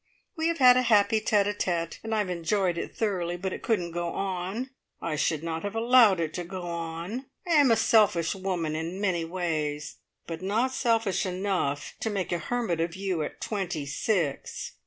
We have had a happy tete a tete, and I've enjoyed it thoroughly, but it couldn't go on. I should not have allowed it to go on. I am a selfish woman in many ways, but not selfish enough to make a hermit of you at twenty six.